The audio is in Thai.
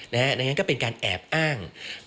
ดังนั้นก็เป็นการแอบอ้าง